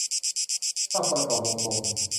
ภาพประกอบวงกลม